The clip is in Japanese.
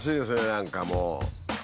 何かもう。